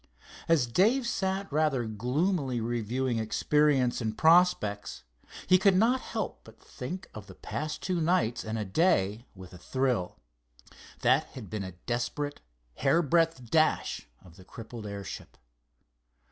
As Dave sat rather gloomily reviewing experience and prospects, he could not help but think of the past two nights and a day with a thrill. That had been a desperate, hair breadth dash of the crippled airship.